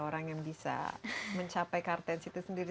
orang yang bisa mencapai kartens itu sendiri